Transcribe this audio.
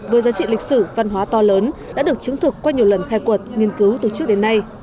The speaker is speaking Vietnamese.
với giá trị lịch sử văn hóa to lớn đã được chứng thực qua nhiều lần khai quật nghiên cứu từ trước đến nay